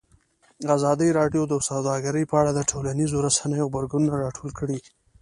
ازادي راډیو د سوداګري په اړه د ټولنیزو رسنیو غبرګونونه راټول کړي.